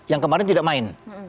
yang kemarin tidak main